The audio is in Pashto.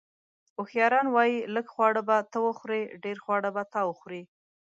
اوښیاران وایي: لږ خواړه به ته وخورې، ډېر خواړه به تا وخوري.